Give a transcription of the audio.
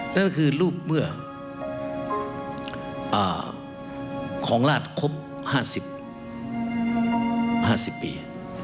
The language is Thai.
นั่นก็คือรูปเมื่อของราชครบ๕๐ปี